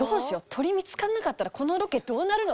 鳥見つかんなかったらこのロケどうなるの？」